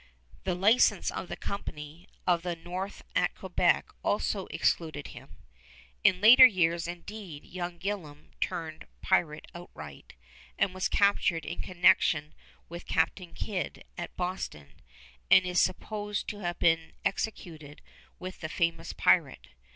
The license of the Company of the North at Quebec also excluded him. In later years, indeed, young Gillam turned pirate outright, was captured in connection with Captain Kidd at Boston, and is supposed to have been executed with the famous pirate.